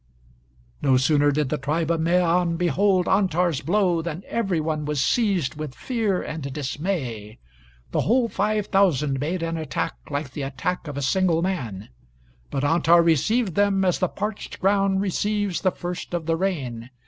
No sooner did the tribe of Maan behold Antar's blow, than every one was seized with fear and dismay. The whole five thousand made an attack like the attack of a single man; but Antar received them as the parched ground receives the first of the rain.